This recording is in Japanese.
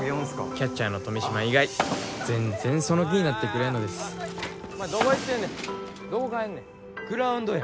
キャッチャーの富嶋以外全然その気になってくれんのですお前どこ行ってんねんどこ帰るねんグラウンドや